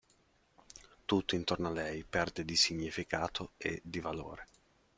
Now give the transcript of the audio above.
Tutto intorno a lei perde di significato e di valore.